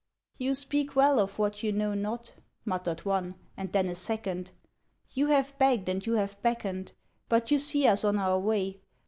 "You speak well of what you know not," Muttered one; and then a second: "You have begged and you have beckoned. But you see us on our way.